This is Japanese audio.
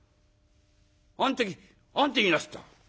あん時何て言いなすった？